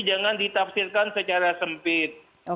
jangan ditafsirkan secara sempit